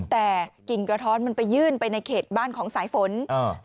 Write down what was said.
แต่กิ่งกระท้อนมันไปยื่นไปในเขตบ้านของสายฝนอ่า